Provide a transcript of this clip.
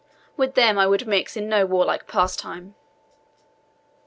with them I would mix in no warlike pastime."